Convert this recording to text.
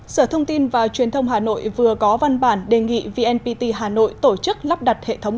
sở thông tin và truyền thông hà nội vừa có văn bản đề nghị vnpt hà nội tổ chức lắp đặt hệ thống